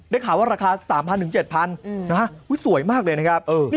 ได้ข่าวว่าราคา๓๐๐๐๗๐๐๐สวยมากเลยนะครับ